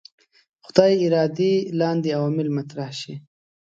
خدای ارادې لاندې عوامل مطرح شي.